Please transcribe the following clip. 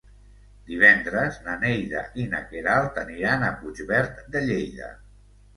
Divendres na Neida i na Queralt aniran a Puigverd de Lleida.